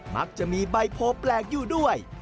มักจะมีใบโพแปลกอยู่ด้วย